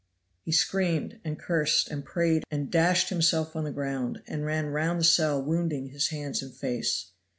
He screamed, and cursed, and prayed, and dashed himself on the ground and ran round the cell wounding his hands and his face.